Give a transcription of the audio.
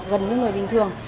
gần như người bình thường